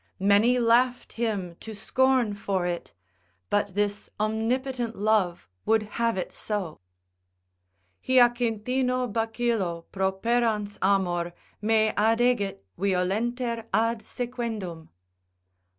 Many laughed him to scorn for it, but this omnipotent love would have it so. Hyacinthino bacillo Properans amor, me adegit Violenter ad sequendum.